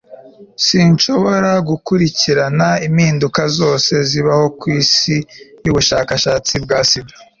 Sinshobora gukurikirana impinduka zose zibaho kwisi yubushakashatsi bwa sida